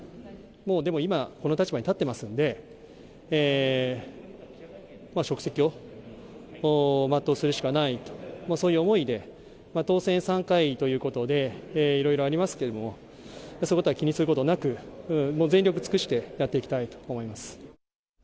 もう、でも今、この立場に立っていますんで、職責を全うするしかないと、そういう思いで、当選３回ということで、いろいろありますけれども、そういうことは気にすることなく、もう全力を尽くしてやっていきたいと思います。